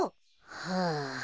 はあ。